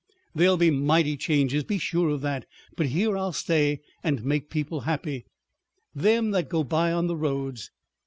There'll be mighty changes, be sure of that; but here I'll stay, and make people happy—them that go by on the roads.